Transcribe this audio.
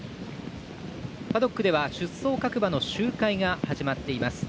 パドックでは出走各馬の周回が始まっています。